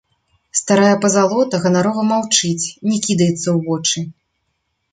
Старая пазалота ганарова маўчыць, не кідаецца ў вочы.